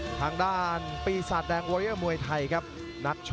ทุกคนสามารถยินได้